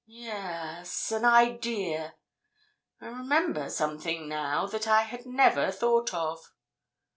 Yes!—an idea. I remember something now that I had never thought of."